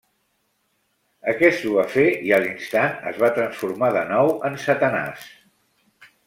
Aquest ho va fer i a l'instant es va transformar de nou en Satanàs.